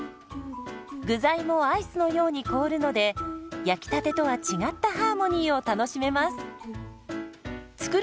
具材もアイスのように凍るので焼きたてとは違ったハーモニーを楽しめます。